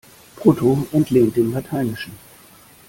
Brutto entlehnt dem Lateinischen.